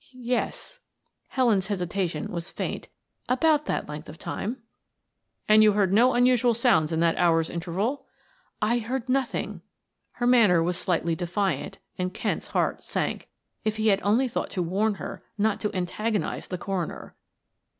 "Y yes," Helen's hesitation was faint. "About that length of time." "And you heard no unusual sounds in that hour's interval?" "I heard nothing" her manner was slightly defiant and Kent's heart sank; if he had only thought to warn her not to antagonize the coroner.